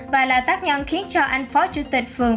và là tác nhân khiến cho anh phó chủ tịch phường